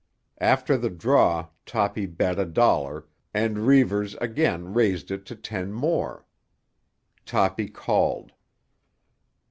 After the draw Toppy bet a dollar, and Reivers again raised it to ten more. Toppy called.